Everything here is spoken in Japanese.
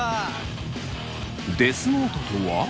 デスノートとは？